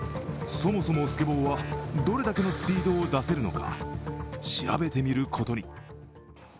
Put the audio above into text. そもそもスケボーはどれだけのスピードを出せるのか調べてみることに。